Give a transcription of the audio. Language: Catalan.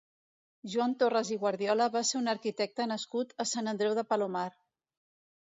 Joan Torras i Guardiola va ser un arquitecte nascut a Sant Andreu de Palomar.